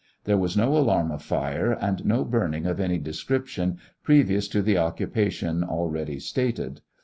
There was no alarm of fire, and no burning of any descrip tion previous to the occupation already stated.